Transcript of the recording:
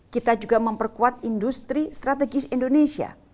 kita juga memperkuat industri strategis indonesia